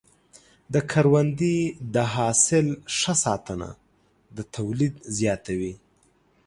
د کروندې د حاصل ښه ساتنه د تولید زیاتوي.